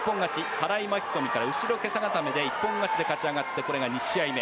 払い巻き込みから後ろけさ固めで一本勝ちで勝ち上がってこれで２試合目。